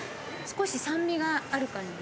少し酸味がある感じ。